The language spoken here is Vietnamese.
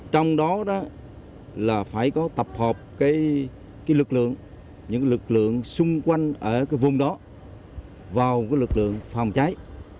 trong đó đó là phải có tập hợp cái lực lượng những lực lượng xung quanh ở cái vùng đó vào cái lực lượng phòng cháy